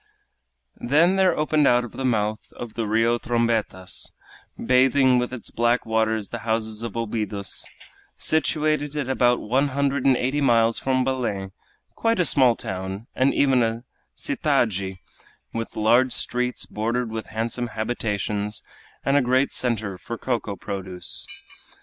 Then there opened out the mouth of the Rio Trombetas, bathing with its black waters the houses of Obidos, situated at about one hundred and eighty miles from Belem, quite a small town, and even a "citade" with large streets bordered with handsome habitations, and a great center for cocoa produce.